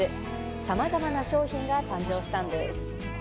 さまざまな商品が誕生したんです。